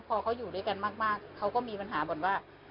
พอเขาอยู่ด้วยกันมากเขาก็มีปัญหาบ่นว่า